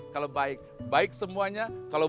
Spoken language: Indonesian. kalau baik baik semuanya kalau